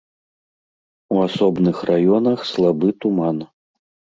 У асобных раёнах слабы туман.